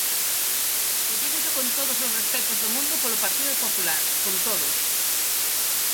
E dígollo con todos os respectos do mundo polo Partido Popular, con todos.